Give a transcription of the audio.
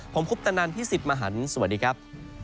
ผมคุปตะนันพี่สิทธิ์มหันฯสวัสดีครับ